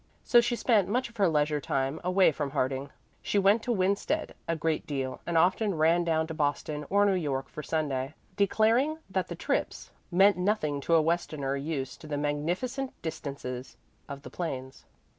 So she spent much of her leisure time away from Harding; she went to Winsted a great deal, and often ran down to Boston or New York for Sunday, declaring that the trips meant nothing to a Westerner used to the "magnificent distances" of the plains.